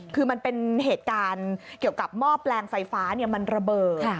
คือมันเป็นเหตุการณ์เกี่ยวกับหม้อแปลงไฟฟ้ามันระเบิด